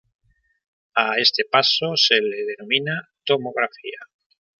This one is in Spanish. A este paso se le denomina "tomografía".